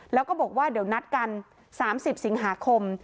แล้วก็บอกว่าเดี๋ยวนัดกัน๓๐สิงหาคม